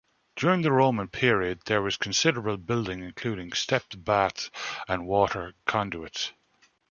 During the Roman period there was considerable building, including stepped baths and water conduits.